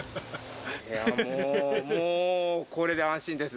いやもう、これで安心です。